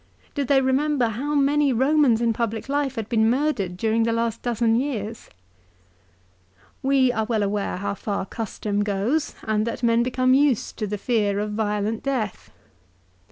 Do they remember how many Romans in public life had been murdered during the last dozen years ? We are well aware how far custom goes, and that men became used to the fear of violent death.